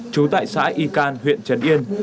trú tại xã y can huyện trần yên